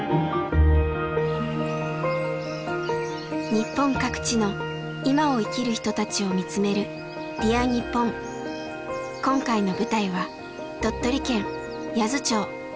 日本各地の今を生きる人たちを見つめる今回の舞台は鳥取県八頭町。